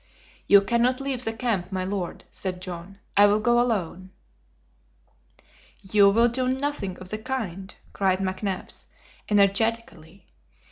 "You cannot leave the camp, my Lord," said John. "I will go alone." "You will do nothing of the kind!" cried McNabbs, energetically.